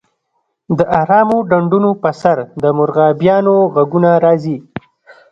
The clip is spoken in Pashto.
د ارامو ډنډونو په سر د مرغابیانو غږونه راځي